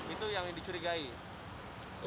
itu yang dicurigai